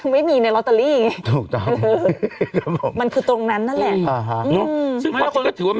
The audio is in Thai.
ไม่มีในลอตเตอรี่ไงถูกต้องมันคือตรงนั้นนั่นแหละ